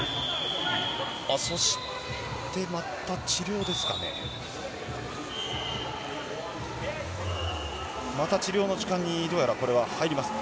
そしてまた治療ですか。